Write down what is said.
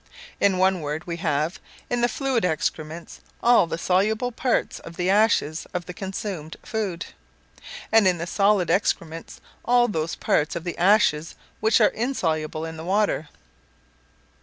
In one word, we have, in the fluid excrements, all the soluble parts of the ashes of the consumed food; and in the solid excrements, all those parts of the ashes which are insoluble in water.